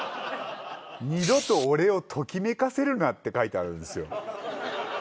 「二度と俺をときめかせるな」って書いてあるんですよ。